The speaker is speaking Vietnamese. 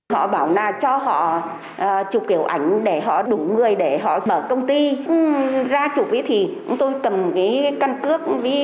họ bảo là cho họ chụp kiểu ảnh để họ đủ người để họ mở công ty ra chụp thì chúng tôi cầm cái căn cước